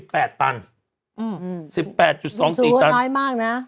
๑๘ตัน๑๘๒๔ตันสูงสูงก็น้อยมากนะ